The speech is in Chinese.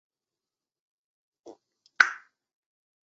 林肯县是美国奥克拉荷马州中部的一个县。